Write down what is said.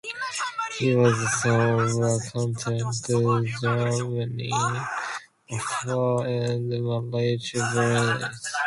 He was the son of accountant Germain Pfeiffer and Marguerite Brunner.